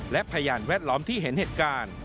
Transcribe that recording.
และพยานแวดล้อมที่เห็นเหตุการณ์